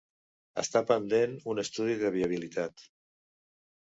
Està pendent un estudi de viabilitat.